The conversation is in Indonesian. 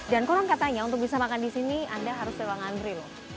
dan kurang katanya untuk bisa makan di sini anda harus lewat ngandri loh